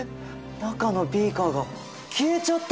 中のビーカーが消えちゃったよ！